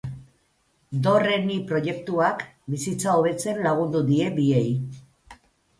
Do, re, ni proiektuak bizitza hobetzen lagundu die biei.